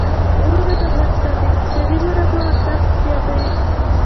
غرونه د افغانستان د اقتصادي منابعو ارزښت زیاتوي.